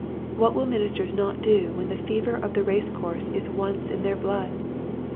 What will ministers not do when the fever of the race course is once in their blood ?